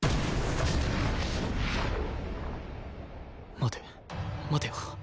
待て待てよ